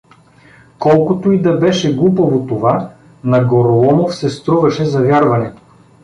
Колкото и да беше глупаво това, на Гороломов се струваше за вярване.